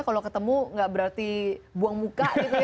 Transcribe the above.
kalau ketemu tidak berarti buang muka